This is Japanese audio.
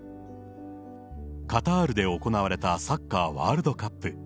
カタールで行われたサッカーワールドカップ。